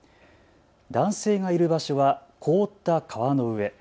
男性がいる場所は凍った川の上。